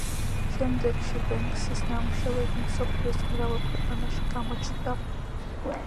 შემდეგში ბენქსის ნამუშევრები მსოფლიოს მრავალ ქვეყანაში გამოჩნდა.